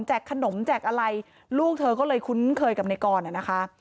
ขนมแจกอะไรลูกเธอก็เลยคุ้นเคยกับในกรนะคะ